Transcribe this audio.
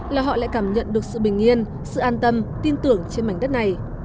là họ lại cảm nhận được sự bình yên sự an tâm tin tưởng trên mảnh đất này